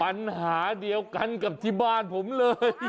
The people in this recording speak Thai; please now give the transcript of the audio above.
ปัญหาเดียวกันกับที่บ้านผมเลย